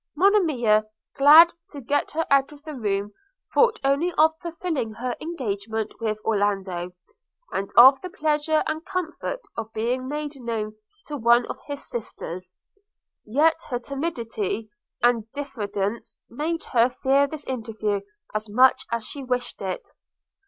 Monimia, glad to get her out of the room, thought only of fulfilling her engagement with Orlando, and of the pleasure and comfort of being made known to one of his sisters; yet her timidity and diffidence made her fear this interview as much as she wished it.